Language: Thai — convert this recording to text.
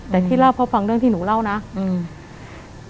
แต่ที่เล่าเพราะฟังเรื่องที่หนูเล่านะอืม